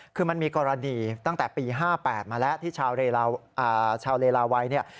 คือมันมีกรณีตั้งแต่ปี๕๘มาแล้วที่ชาวเลลาวัยเนี่ย